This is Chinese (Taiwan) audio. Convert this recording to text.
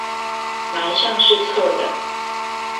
哪一項是錯的？